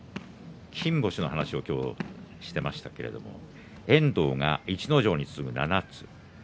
金星の話を今日は、していましたけれども遠藤が逸ノ城に次ぐ、７つ。